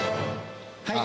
はい。